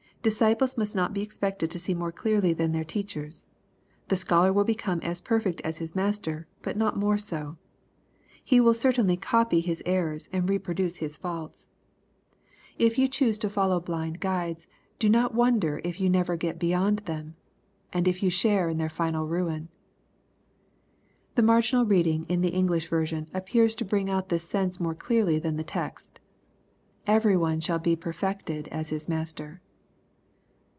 " Disciples must not be expected to see more clearly than their teachers. The scholar will become as perfect as his master, but not more so. He will certainly copy his errors, and reproduce his faults. If you choose to follow blind i 194 EXPOSITORY THOCGHTS. guides, do not wonder if you never get beyond them, and if yon share in their final ruin." The marginal reading in the English version appears to bring out this sense more clearly than the text — "Every one shall be perfected as his master."